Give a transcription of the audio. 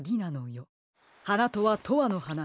「はな」とは「とわのはな」